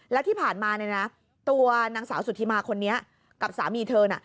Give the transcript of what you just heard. แล้วที่ผ่านมาเนี่ยนะตัวนางสาวสุธิมาคนนี้กับสามีเธอน่ะ